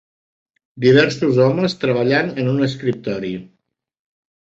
Diversos homes treballant en un escriptori.